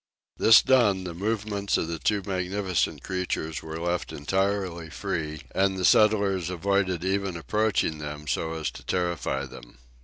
This done, the movements of the two magnificent creatures were left entirely free, and the settlers avoided even approaching them so as to terrify them.